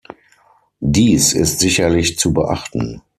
Dies ist sicherlich zu beachten.